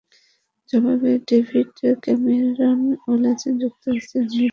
জবাবে David Cameron বলেছেন, যুক্তরাজ্য এমনিতেই আইএস জঙ্গিদের হুমকির ঝুঁকিতে রয়েছে।